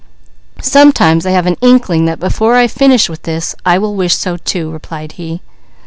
"Sometimes I have an inkling that before I finish with this I shall wish so too," replied he.